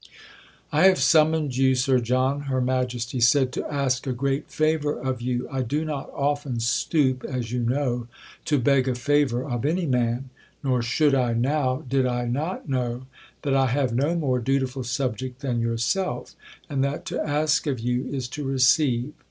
"I have summoned you, Sir John," Her Majesty said, "to ask a great favour of you. I do not often stoop, as you know, to beg a favour of any man; nor should I now, did I not know that I have no more dutiful subject than yourself, and that to ask of you is to receive.